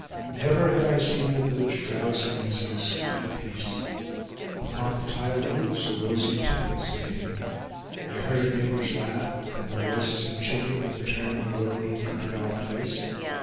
Never had I seen the village drowsing in so sweet a peace. Upon the tiled roofs a rosy tint was fading. I heard a neighbor's laugh, then the voices of children at the turn in the road in front of our place.